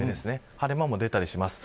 晴れ間も出たりします。